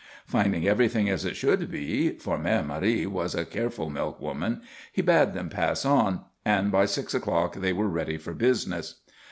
Finding everything as it should be for Mère Marie was a careful milkwoman he bade them pass on, and by six o'clock they were ready for business.